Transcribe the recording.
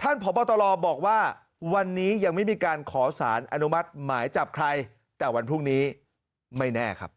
พบตรบอกว่าวันนี้ยังไม่มีการขอสารอนุมัติหมายจับใครแต่วันพรุ่งนี้ไม่แน่ครับ